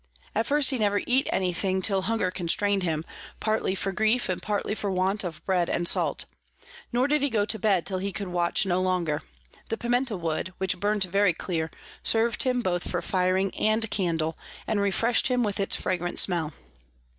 At first he never eat any thing till Hunger constrain'd him, partly for grief and partly for want of Bread and Salt; nor did he go to bed till he could watch no longer: the Piemento Wood, which burnt very clear, serv'd him both for Firing and Candle, and refresh'd him with its fragrant Smell.